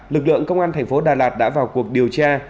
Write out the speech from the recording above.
lực lượng công an thành phố đà lạt đã vào cuộc điều tra